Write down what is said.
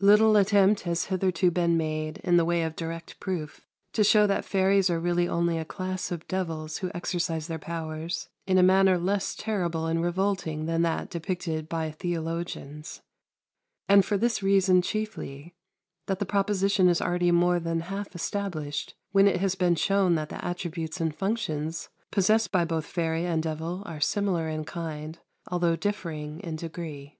Little attempt has hitherto been made, in the way of direct proof, to show that fairies are really only a class of devils who exercise their powers in a manner less terrible and revolting than that depicted by theologians; and for this reason chiefly that the proposition is already more than half established when it has been shown that the attributes and functions possessed by both fairy and devil are similar in kind, although differing in degree.